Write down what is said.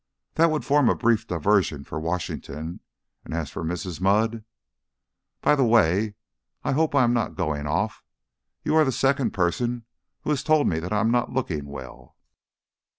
"That would form a brief diversion for Washington. And as for Mrs. Mudd By the way, I hope I am not going off. You are the second person who has told me that I am not looking well."